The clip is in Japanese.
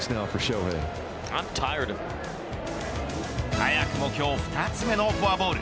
早くも今日２つ目のフォアボール